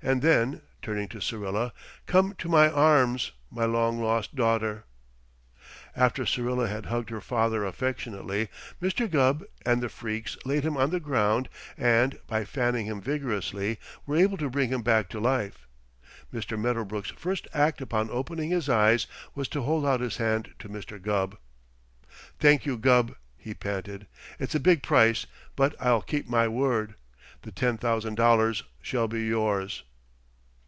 And then, turning to Syrilla: "Come to my arms, my long lost daughter!" After Syrilla had hugged her father affectionately, Mr. Gubb and the freaks laid him on the ground and, by fanning him vigorously, were able to bring him back to life. Mr. Medderbrook's first act upon opening his eyes was to hold out his hand to Mr. Gubb. "Thank you, Gubb," he panted. "It's a big price, but I'll keep my word. The ten thousand dollars shall be yours."